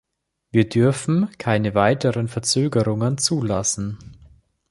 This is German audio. Wir dürfen keine weiteren Verzögerungen zulassen.